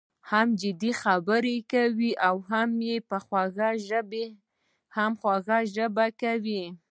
هم جدي خبره کوي او هم یې په خوږه ژبه کوي.